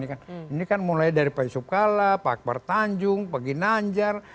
ini kan mulai dari pak yusuf kala pak bartanjung pak ginanjar